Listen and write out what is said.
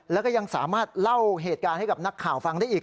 แล้วก็ยังสามารถเล่าเหตุการณ์ให้กับนักข่าวฟังได้อีก